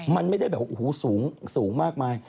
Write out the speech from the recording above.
มันไม่ได้แบบโอ้โหสูงมากมาย